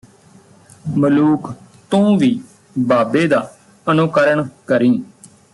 ਮਲੂਕ ਤੂੰ ਵੀ ਬਾਬੇ ਦਾ ਅਨੁਕਰਣ ਕਰੀਂ